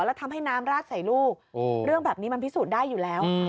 แล้วทำให้น้ำราดใส่ลูกเรื่องแบบนี้มันพิสูจน์ได้อยู่แล้ว